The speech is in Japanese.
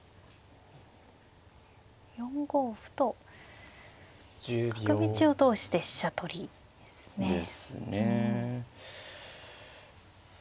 ４五歩と角道を通して飛車取りですね。ですね。